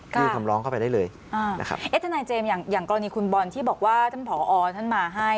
ยื่นคำร้องเข้าไปได้เลยนะครับเอ๊ะทนายเจมส์อย่างกรณีคุณบอลที่บอกว่าท่านผอท่านมาให้